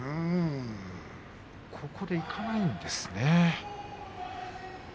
ここでいかないんですね。